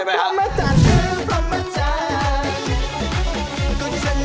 ไม่ได้แล้วลุกต้องปัญญาเถอะหน่อย